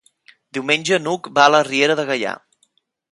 Diumenge n'Hug va a la Riera de Gaià.